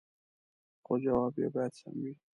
خو جواب يې باید سم وي